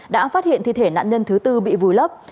đã phát hiện thi thể nạn nhân thứ tư bị vùi lấp